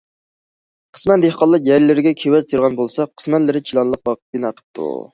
قىسمەن دېھقانلار يەرلىرىگە كېۋەز تېرىغان بولسا، قىسمەنلىرى چىلانلىق باغ بىنا قىپتۇ.